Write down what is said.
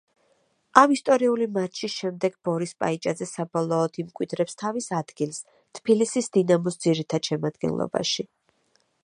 ამ ისტორიული მატჩის შემდეგ ბორის პაიჭაძე საბოლოოდ იმკვიდრებს თავის ადგილს თბილისის „დინამოს“ ძირითად შემადგენლობაში.